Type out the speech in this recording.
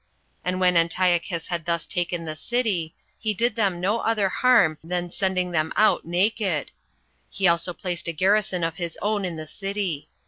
And when Antiochus had thus taken the city, he did them no other harm than sending them out naked. He also placed a garrison of his own in the city.